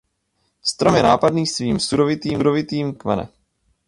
Strom je nápadný svým sudovitým tvarem kmene.